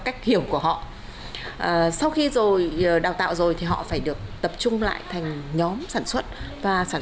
cách hiểu của họ sau khi rồi đào tạo rồi thì họ phải được tập trung lại thành nhóm sản xuất và sản